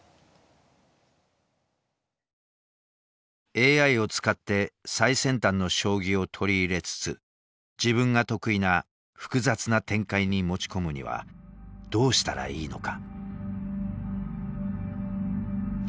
ＡＩを使って最先端の将棋を取り入れつつ自分が得意な「複雑な展開」に持ち込むにはどうしたらいいのか。